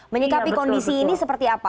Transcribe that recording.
menyikapi kondisi ini seperti apa